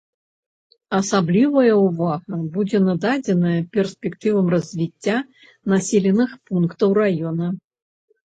Асаблівая ўвага будзе нададзеная перспектывам развіцця населеных пунктаў раёна.